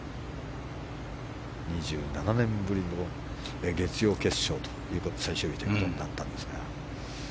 ２７年ぶりの月曜最終日ということになったんですが。